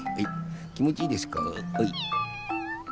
きもちいいですか？